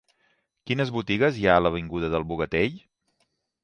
Quines botigues hi ha a l'avinguda del Bogatell?